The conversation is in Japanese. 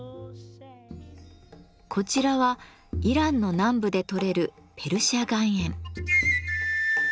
こちらはイランの南部で採れる「ペルシャ岩塩」。